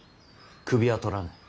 首は取らぬ。